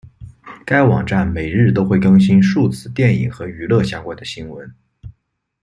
该网站每日都会更新数次电影和娱乐相关的新闻。